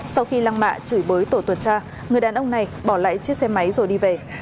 sau khi lăng mạ chửi bới tổ tuần tra người đàn ông này bỏ lại chiếc xe máy rồi đi về